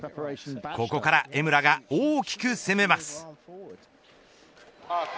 ここから江村が大きく攻めます。